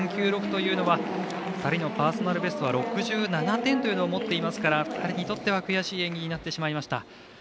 ２人のパーソナルベストは６７点というのを持っていますから２人にとっては悔しい演技になってしまいました。